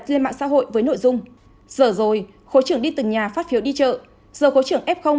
trên mạng xã hội với nội dung giờ rồi khối trưởng đi từng nhà phát phiếu đi chợ giờ khối trưởng f